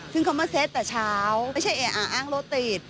ซึ่งเขามาเซ็ตแต่เช้าไม่ใช่แออ่าอ้างรถติด